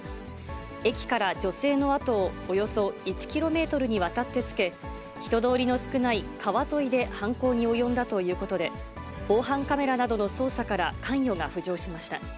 駅から女性の後をおよそ１キロメートルにわたってつけ、人通りの少ない川沿いで犯行に及んだということで、防犯カメラなどの捜査から関与が浮上しました。